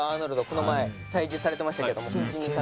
この前対峙されてましたけども。